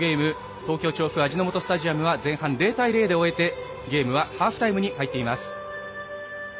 東京・調布味の素スタジアムは前半０対０で終えてゲームはハーフタイムに入っています。